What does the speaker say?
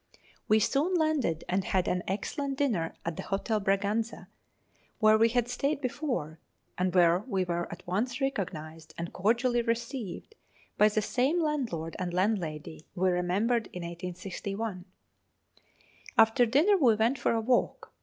We soon landed and had an excellent dinner at the Hotel Braganza, where we had stayed before, and where we were at once recognised and cordially received by the same landlord and landlady we remembered in 1861. After dinner we went for a walk.